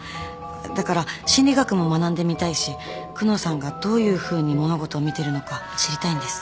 だから心理学も学んでみたいし久能さんがどういうふうに物事を見てるのか知りたいんです